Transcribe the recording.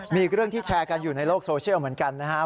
มีอีกเรื่องที่แชร์กันอยู่ในโลกโซเชียลเหมือนกันนะครับ